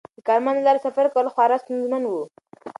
د کرمان له لارې سفر کول خورا ستونزمن و.